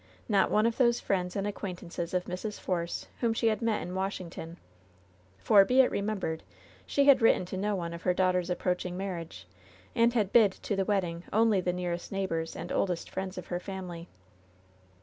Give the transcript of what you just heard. Not one of those friends and acquaintances of Mrs. Force whom she had met in Washington, for, be it remembered, she had written to no one of her daughter's approaching marriage, and had bid to the wedding only the nearest neighbors and oldest friends of her family.